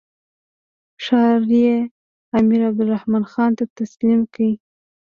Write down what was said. ښار یې امیر عبدالرحمن خان ته تسلیم کړ.